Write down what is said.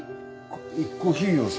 コーヒーをさ。